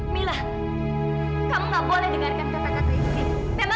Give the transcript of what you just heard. mila kamu gak boleh dengarkan kata kata ini